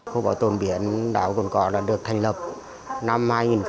khu bảo tồn biển đảo côn cỏ đã được thành lập năm hai nghìn chín